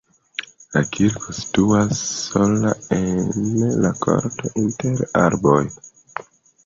La kirko situas sola en korto inter arboj.